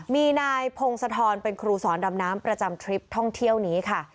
มีนายพงศธรเป็นครูสอนดำน้ำประจำทริปท่องเที่ยวนี้ค่ะ